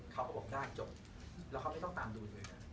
เขาก็บอกได้จบแล้วเขาไม่ต้องตามดูเลยนะ